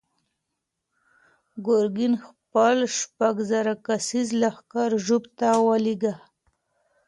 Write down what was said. ګورګین خپل شپږ زره کسیز لښکر ژوب ته ولېږه.